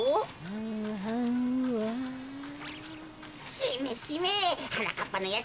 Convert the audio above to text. しめしめはなかっぱのやつ